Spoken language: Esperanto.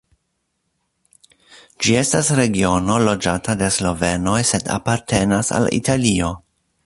Ĝi estas regiono loĝata de slovenoj sed apartenas al Italio.